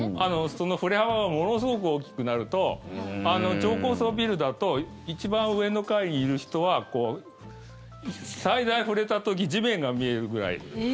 その振れ幅がものすごく大きくなると超高層ビルだと一番上の階にいる人は最大、振れた時地面が見えるぐらい。